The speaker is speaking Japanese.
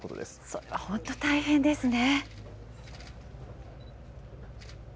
それは本当大変ですね。